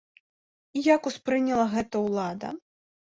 І як успрыняла гэта ўлада?